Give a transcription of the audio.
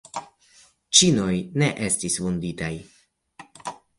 Ĉinoj ne estis vunditaj.